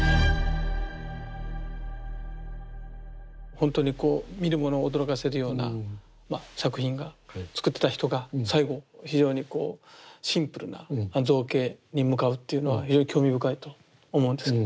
ほんとにこう見る者を驚かせるような作品が作ってた人が最後非常にこうシンプルな造形に向かうっていうのは非常に興味深いと思うんです。